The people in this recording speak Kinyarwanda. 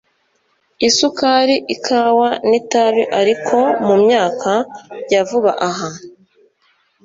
isukari ikawa n itabi ariko mu myaka ya vuba aha